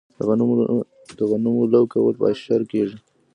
د غنمو لو کول په اشر کیږي.